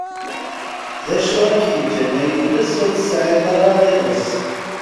D acu i k-yeĝĝan ay iles ur tesεiḍ ara iɣes?